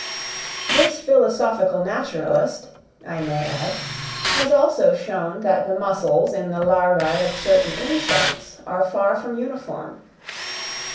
This philosophical naturalist, I may add, has also shown that the muscles in the larvæ of certain insects are far from uniform.